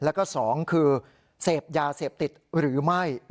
แล้วก็๒คือเสพยาเสพติดหรือไม่